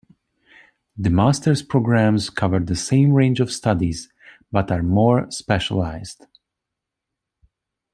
The Master's programs cover the same range of studies, but are more specialized.